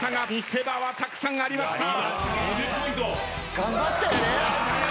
頑張ったよね。